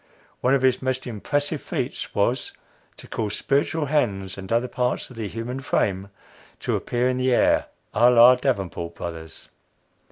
One of his most impressive feats was, to cause spiritual hands and other parts of the human frame to appear in the air à la Davenport Brothers.